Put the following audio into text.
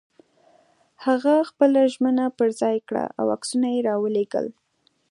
هغه خپله ژمنه پر ځای کړه او عکسونه یې را ولېږل.